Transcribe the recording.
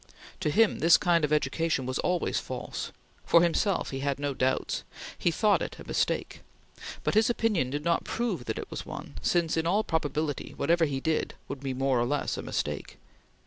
To him this kind of education was always false. For himself he had no doubts. He thought it a mistake; but his opinion did not prove that it was one, since, in all probability, whatever he did would be more or less a mistake.